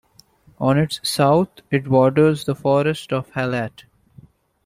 On its south it borders the Forest of Halatte.